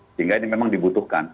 sehingga ini memang dibutuhkan